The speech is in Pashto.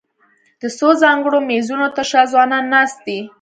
د څو ځانګړو مېزونو تر شا ځوانان ناست دي.